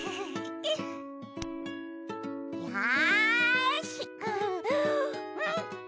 よし！